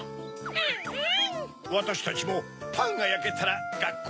アンアン！